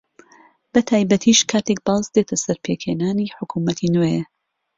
بەتایبەتیش کاتێک باس دێتە سەر پێکهێنانی حکوومەتی نوێ